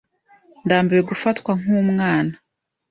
Ndambiwe gufatwa nkumwana.